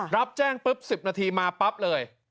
รับแจ้งปุ๊บ๑๐นาทีมาปั๊บเลย